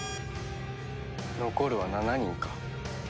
残るは７人か。